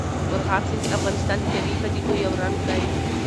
مورغاب سیند د افغانستان د طبیعي پدیدو یو رنګ دی.